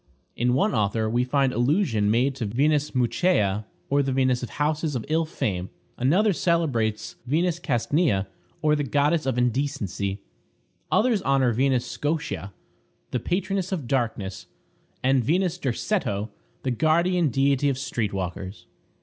In one author we find allusion made to Venus Mucheia, or the Venus of houses of ill fame. Another celebrates Venus Castnia, or the goddess of indecency. Others honor Venus Scotia, the patroness of darkness; and Venus Derceto, the guardian deity of street walkers.